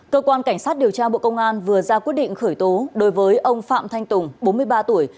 cơ quan cảnh sát điều tra bộ công an vừa ra quyết định khởi tố đối với ông phạm thanh tùng bốn mươi ba tuổi